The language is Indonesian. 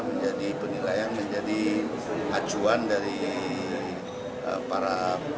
menjadi penilaian menjadi acuan dari para